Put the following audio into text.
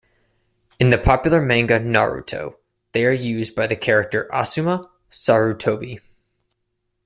In the popular manga Naruto, they are used by the character Asuma Sarutobi.